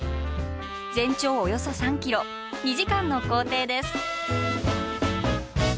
全長およそ３ｋｍ２時間の行程です。